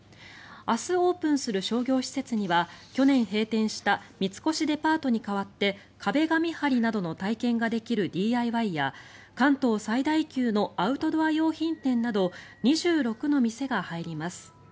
明日オープンする商業施設には去年閉店した三越デパートに代わって壁紙貼りなどの体験ができるＤＩＹや関東最大級のアウトドア用品店など２６の店が入ります。